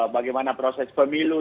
bagaimana proses pemilu